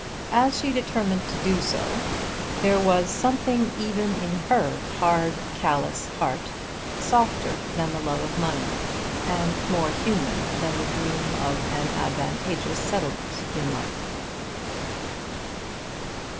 As she determined to do so there was something even in her hard callous heart softer than the love of money and more human than the dream of an advantageous settlement in life.